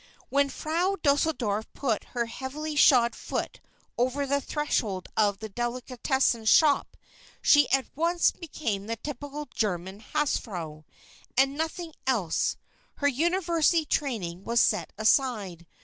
When Frau Deuseldorf put her heavily shod foot over the threshold of the delicatessen shop she at once became the typical German hausfrau, and nothing else. Her University training was set aside.